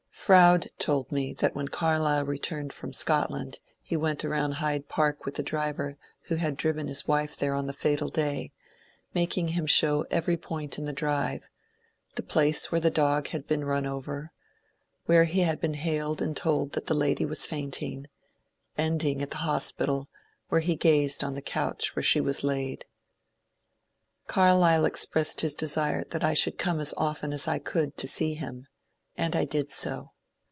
Froude told me that when Carlyle returned from Scotland he went around Hyde Park with the driver who had driven his wife there on the fatal day, making him show every point in the drive, — the place where the dog had been run over ; where he had been hailed and told that the lady was faint ing; ending at the hospital, where he gazed on the couch where she was laid. Carlyle expressed his desire that I should come as often as I could to see him, and I did so.